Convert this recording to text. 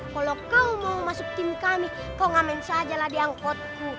kalau kau mau masuk tim kami kau ngamen sajalah diangkutku